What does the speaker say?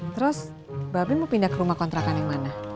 terus babin mau pindah ke rumah kontrakan yang mana